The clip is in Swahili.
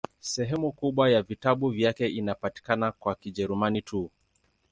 Sehemu kubwa ya vitabu vyake inapatikana kwa Kijerumani tu.